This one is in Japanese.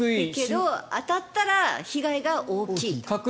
けど当たったら被害が大きい。